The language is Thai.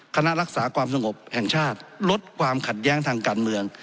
คณะรักษาความสงบแห่งชาติลดความขัดแย้งทางการเมือง